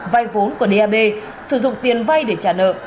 vai vốn của dap sử dụng tiền vai để trả nợ